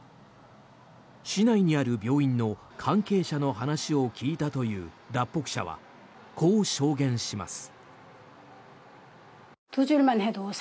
市内にある病院の関係者の話を聞いたという脱北者はこう証言します。